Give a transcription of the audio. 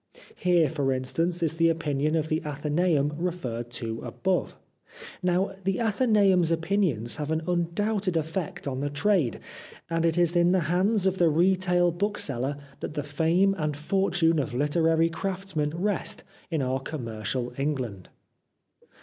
Here, for instance, is the opinion of the Athenceum referred to above. Now the Athe ncBum's opinions have an undoubted effect on the trade, and it is in the hands of the retail bookseller that the fame and fortune of literary craftsmen rest in our commercial England.